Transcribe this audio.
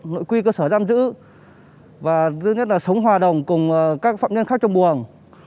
nội quy cơ sở giam giữ và thứ nhất là sống hòa đồng cùng các phạm nhân khác trong buồng